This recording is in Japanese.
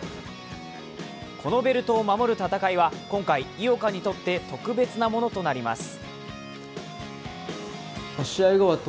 このベルトを守る戦いは今回、井岡にとって特別なものとなります。